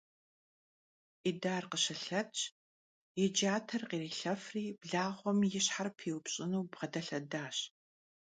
Yidar khışılhetş, yi cater khrilhefri blağuem yi şher piupş'ınu bğedelhedaş.